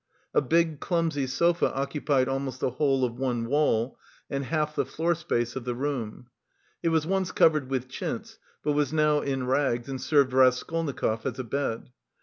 A big clumsy sofa occupied almost the whole of one wall and half the floor space of the room; it was once covered with chintz, but was now in rags and served Raskolnikov as a bed.